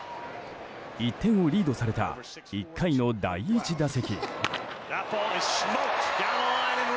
１点をリードされた１回の第１打席。